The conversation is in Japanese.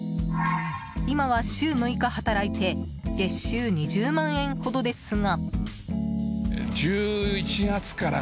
今は週６日働いて月収２０万円ほどですが。